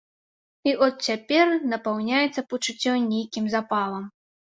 І от цяпер напаўняецца пачуццё нейкім запалам.